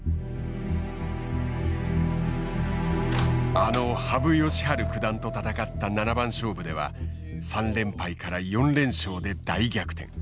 あの羽生善治九段と戦った七番勝負では３連敗から４連勝で大逆転。